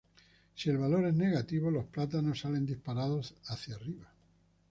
Si el valor es negativo los plátanos salen disparados hacia arriba.